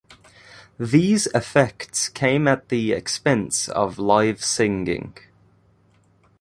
These effects came at the expense of live singing.